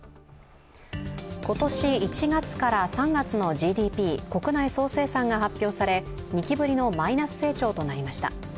今年１月から３月のＧＤＰ＝国内総生産が発表され、２期ぶりのマイナス成長となりました。